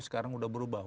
sekarang udah berubah